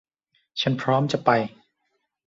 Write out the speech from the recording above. ฉันพร้อมจะไป